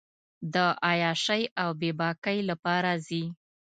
د عیاشۍ اوبېباکۍ لپاره ځي.